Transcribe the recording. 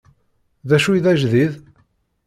D acu i d ajdid?